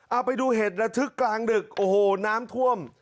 เอาไปดูเหตุระทึกกลางดึกโอ้โหน้ำท่วม